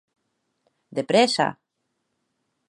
De prèssa!